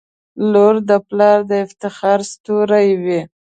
• لور د پلار د افتخار ستوری وي.